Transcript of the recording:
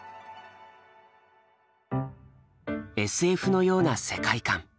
ＳＦのような世界観。